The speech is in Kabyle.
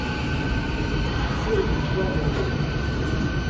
Ssirdemt iḍarren-nwent.